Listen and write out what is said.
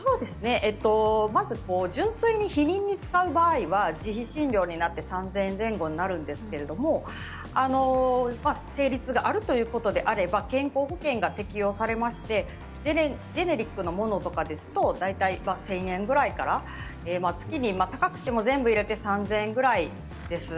まず純粋に避妊に使う場合は自費診療になって３０００円前後になるんですが生理痛があるということであれば健康保険が適用されましてジェネリックのものですとかだと大体１０００円ぐらいから月に高くても３０００円くらいです。